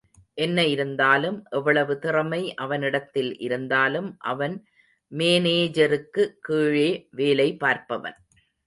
என்ன இருந்தாலும் எவ்வளவு திறமை அவனிடத்தில் இருந்தாலும், அவன் மேனேஜருக்கு கிழே வேலை பார்ப்பவன்.